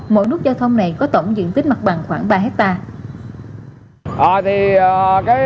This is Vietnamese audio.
mỗi nút giao thông này có tổng diện tích mặt bằng khoảng ba hectare